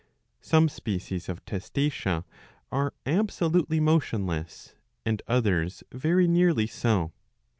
2 Some species of Testacea are absolutely motionless, and others very nearly so.